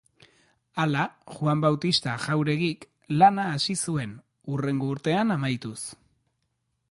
Hala, Juan Bautista Jauregik lana hasi zuen, hurrengo urtean amaituz.